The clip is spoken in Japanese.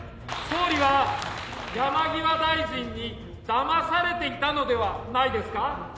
総理は山際大臣にだまされていたのではないですか。